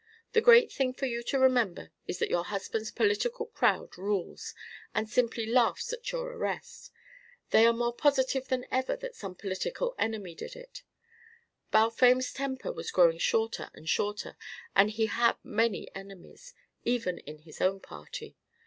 "The great thing for you to remember is that your husband's political crowd rules, and simply laughs at your arrest. They are more positive than ever that some political enemy did it. Balfame's temper was growing shorter and shorter, and he had many enemies, even in his own party.